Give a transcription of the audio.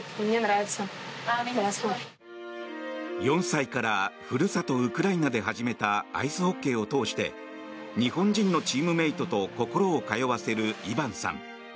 ４歳からふるさと、ウクライナで始めたアイスホッケーを通して日本人のチームメートと心を通わせるイバンさん。